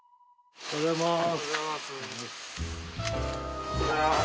おはようございます。